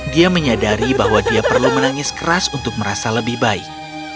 dia menyadari bahwa dia perlu menangis keras untuk merasa lebih baik